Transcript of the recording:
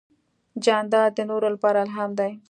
جانداد د نورو لپاره الهام دی.